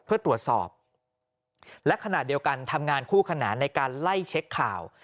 เพื่อตรวจสอบและขณะเดียวกันทำงานคู่ขนานในการไล่เช็คข่าว